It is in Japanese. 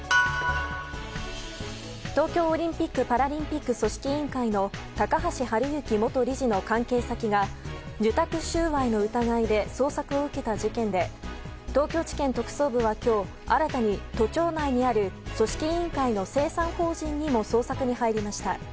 東京オリンピック・パラリンピック組織委員会の高橋治之元理事の関係先が受託収賄の疑いで捜索を受けた事件で東京地検特捜部は今日新たに都庁内にある組織委員会の清算法人にも捜索に入りました。